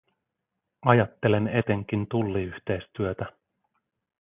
Ajattelen etenkin tulliyhteistyötä.